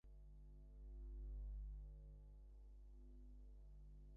বিয়ে সম্পর্কে প্রচলিত এমন পাঁচটি ভুল ধারণার কথা তুলে ধরেছে মুম্বাই মিরর।